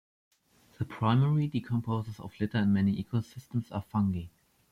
The primary decomposers of litter in many ecosystems are fungi.